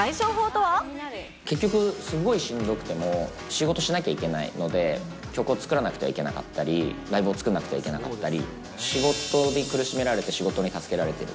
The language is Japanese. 結局、すごいしんどくても、仕事しなきゃいけないので、曲を作らなくてはいけなかったり、ライブを作んなくてはいけなかったり、仕事に苦しめられて、仕事に助けられている。